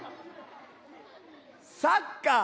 「サッカー」。